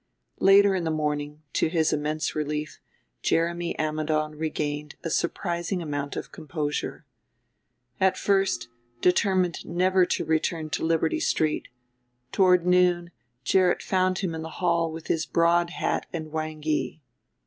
Later in the morning, to his immense relief, Jeremy Ammidon regained a surprising amount of composure. At first determined never to return to Liberty Street, toward noon Gerrit found him in the hall with his broad hat and wanghee.